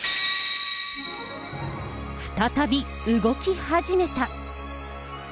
再び、動き始めた。